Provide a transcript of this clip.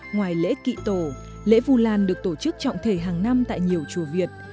ngoài lễ kỵ tổ lễ vu lan được tổ chức trọng thể hàng năm tại nhiều chùa việt